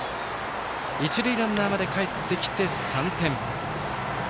一塁ランナーまでかえってきて３点。